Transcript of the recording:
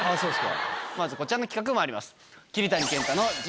まずこちらの企画まいります。